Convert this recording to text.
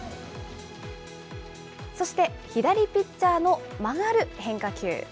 そして左ピッチャーの曲がる変化球。